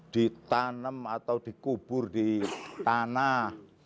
ditanam atau dikubur di tanah